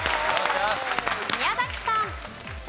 宮崎さん。